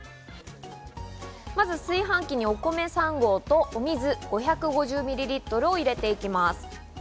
まず、炊飯器にお米３合とお水、５５０ミリリットルを入れていきます。